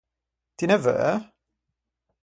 Ti ne veu?